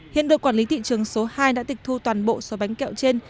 hiện đội quản lý thị trường số hai đã tịch thu toàn bộ số bánh kẹo trên